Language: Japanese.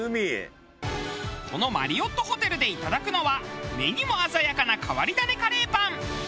このマリオットホテルでいただくのは目にも鮮やかな変わり種カレーパン。